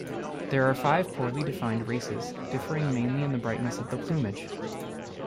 There are five poorly defined races, differing mainly in the brightness of the plumage.